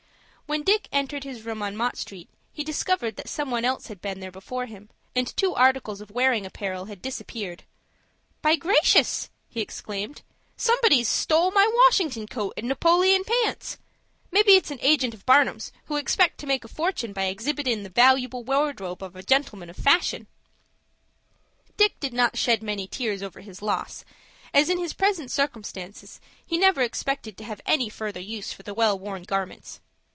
When Dick entered his room on Mott Street, he discovered that some one else had been there before him, and two articles of wearing apparel had disappeared. "By gracious!" he exclaimed; "somebody's stole my Washington coat and Napoleon pants. Maybe it's an agent of Barnum's, who expects to make a fortun' by exhibitin' the valooable wardrobe of a gentleman of fashion." Dick did not shed many tears over his loss, as, in his present circumstances, he never expected to have any further use for the well worn garments.